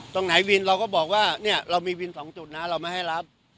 ตรงไหนวินเราก็บอกว่าเนี่ยเรามีวิน๒จุดนะเราไม่ให้รับ